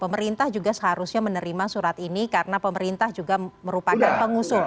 pemerintah juga seharusnya menerima surat ini karena pemerintah juga merupakan pengusung